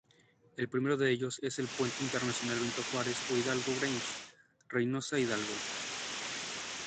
El primero de ellos es el Puente Internacional "Benito Juárez" o ""Hidalgo Bridge"" Reynosa-Hidalgo.